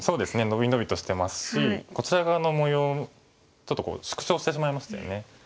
のびのびとしてますしこちら側の模様ちょっと縮小してしまいましたよね。